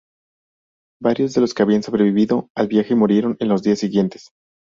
Varios de los que habían sobrevivido al viaje murieron en los días siguientes.